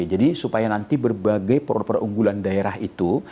jadi supaya nanti berbagai per perunggulan daerah itu